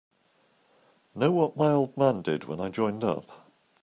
Know what my old man did when I joined up?